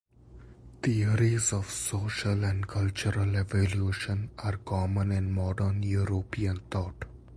Theories of social and cultural evolution are common in modern European thought.